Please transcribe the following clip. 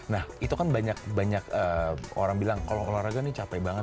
nah itu kan banyak banyak orang bilang kalau olahraga nih capek banget